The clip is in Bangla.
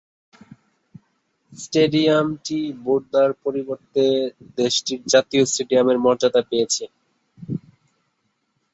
স্টেডিয়ামটি বোর্দা’র পরিবর্তে দেশটির জাতীয় স্টেডিয়ামের মর্যাদা পেয়েছে।